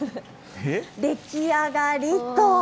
出来上がりと。